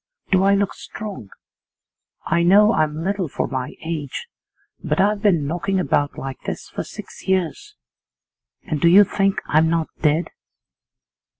Do I look strong? I know I'm little for my age, but I've been knocking about like this for six years, and do you think I'm not dead?